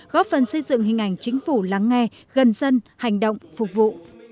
góp phần xây dựng hình ảnh chính phủ lắng nghe gần dân hành động phục vụ